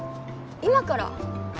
今から？